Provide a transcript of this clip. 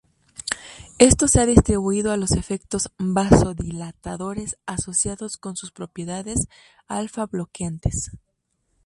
Esto se ha atribuido a los efectos vasodilatadores asociados con sus propiedades alfa-bloqueantes.